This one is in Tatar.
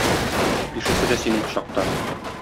Бишесе дә синең кочакта.